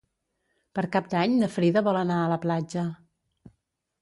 Per Cap d'Any na Frida vol anar a la platja.